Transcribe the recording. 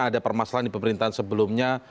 ada permasalahan di pemerintahan sebelumnya